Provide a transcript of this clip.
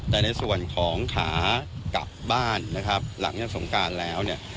แต่ในส่วนของขากลับบ้านนะครับหลังจากสงการแล้วเนี่ย